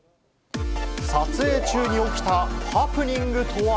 撮影中に起きたハプニングとは。